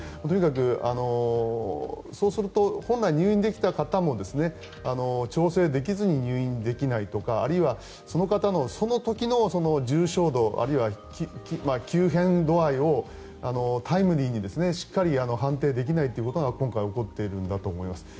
とにかくそうすると本来入院できた方も調整できずに入院できないとかあるいはその方のその時の重症度あるいは急変度合いをタイムリーにしっかり判定できないということが今回、起こっているんだと思います。